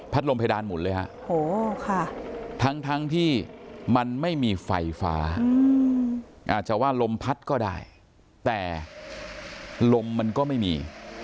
ลมเพดานหุ่นเลยฮะทั้งที่มันไม่มีไฟฟ้าอาจจะว่าลมพัดก็ได้แต่ลมมันก็ไม่มี